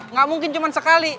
nggak mungkin cuma sekali